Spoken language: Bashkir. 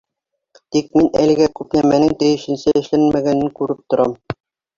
Тик мин әлегә күп нәмәнең тейешенсә эшләнмәгәнен күреп торам.